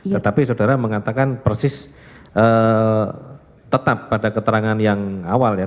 tetapi saudara mengatakan persis tetap pada keterangan yang awal ya